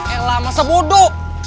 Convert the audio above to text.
elah masa bodoh